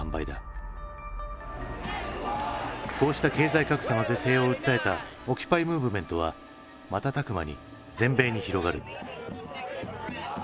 こうした経済格差の是正を訴えたオキュパイムーブメントは瞬く間に全米に広がる。